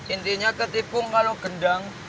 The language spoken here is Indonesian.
intinya ketipung kalau gendang